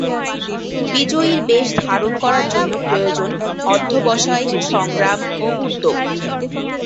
বিজয়ীর বেশ ধারণ করার জন্য প্রয়োজন অধ্যবসায়, সংগ্রাম ও উদ্যোগ।